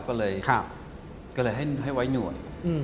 ก็เลยให้ไว้หนวด